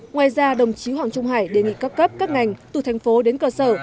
ngoài ra đồng chí hoàng trung hải đề nghị các cấp các ngành từ thành phố đến cơ sở